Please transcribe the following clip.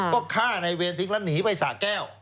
ก็ฆ่าในเวรทิ้งแล้วหนีไปสะแก้ว